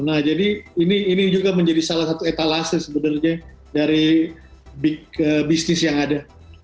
nah jadi ini juga menjadi salah satu etalase sebenarnya dari bisnis yang ada